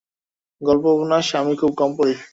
গল্প-উপন্যাস আমি খুব কম পড়ি।